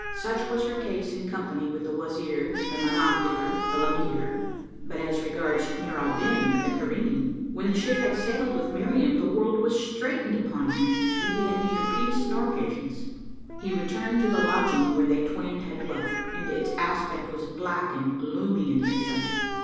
Such was her case in company with the Wazir, the monocular, the lameter; but as regards Nur al Din the Cairene, when the ship had sailed with Miriam, the world was straitened upon him and he had neither peace nor patience. He returned to the lodging where they twain had dwelt, and its aspect was black and gloomy in his sight.